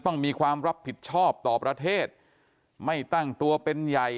ต้องมีความรับผิดชอบต่อประเทศไม่ตั้งตัวเป็นใหญ่